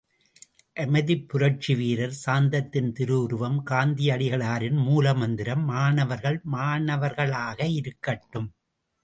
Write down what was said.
அமைதிப் புரட்சி வீரர், சாந்தத்தின் திருவுருவம் காந்தியடிகளாரின் மூல மந்திரம், மாணவர்கள், மாணவர்களாயிருக்கட்டும்.